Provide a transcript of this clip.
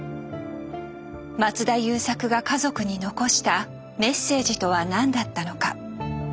松田優作が家族に残したメッセージとは何だったのか。